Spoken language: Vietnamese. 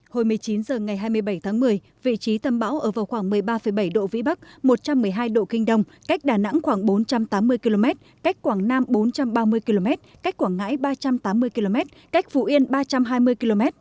hồi một mươi chín h ngày hai mươi bảy tháng một mươi vị trí tâm bão ở vào khoảng một mươi ba bảy độ vĩ bắc một trăm một mươi hai độ kinh đông cách đà nẵng khoảng bốn trăm tám mươi km cách quảng nam bốn trăm ba mươi km cách quảng ngãi ba trăm tám mươi km cách phụ yên ba trăm hai mươi km